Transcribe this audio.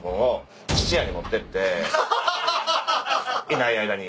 いない間に。